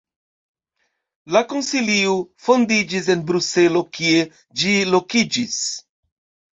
La Konsilio fondiĝis en Bruselo, kie ĝi lokiĝis.